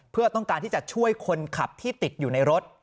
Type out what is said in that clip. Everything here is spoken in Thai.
เพื่อต้องการที่จะช่วยคนขับที่ติดอยู่ในรถ